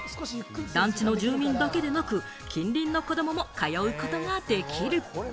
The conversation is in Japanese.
団地の住民だけでなく、近隣の子供も通うことができる。